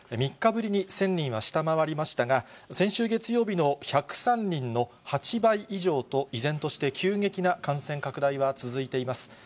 ３日ぶりに１０００人は下回りましたが、先週月曜日の１０３人の８倍以上と、依然として急激な感染拡大は続いています。